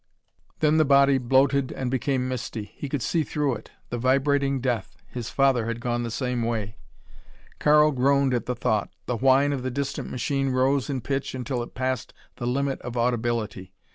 Then the body bloated and became misty. He could see through it. The vibrating death! His father had gone the same way! Karl groaned at the thought. The whine of the distant machine rose in pitch until it passed the limit of audibility.